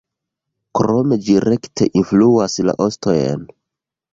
Krome ĝi rekte influas la ostojn.